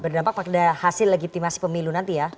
berdampak pada hasil legitimasi pemilu nanti ya